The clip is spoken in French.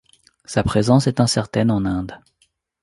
Sa présence est incertaine en Inde.